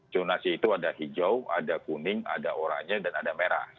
jonasi itu ada hijau ada kuning ada oranye dan ada merah